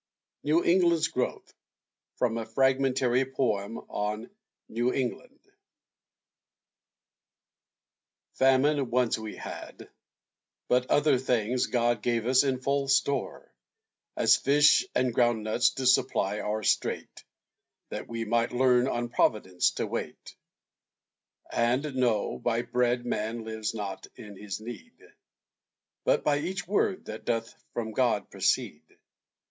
NEW ENGLAND'S GROWTH From a fragmentary poem on "New England" Famine once we had, But other things God gave us in full store, As fish and ground nuts to supply our strait, That we might learn on Providence to wait; And know, by bread man lives not in his need. But by each word that doth from God proceed.